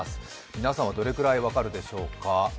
皆さんはどれくらい分かるでしょうか？